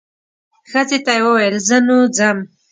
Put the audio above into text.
ښځې ته یې وویل زه نو ځم.